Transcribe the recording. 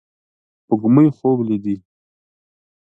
سپوږمۍ خوب لیدې